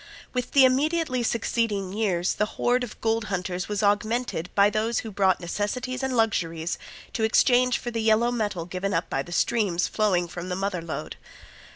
With the immediately succeeding years the horde of gold hunters was augmented by those who brought necessities and luxuries to exchange for the yellow metal given up by the streams flowing from the Mother Lode.